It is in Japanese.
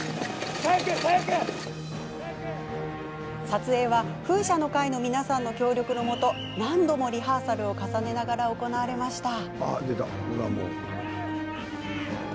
撮影は風車の会の皆さんの協力のもと何度もリハーサルを重ねながら行われました。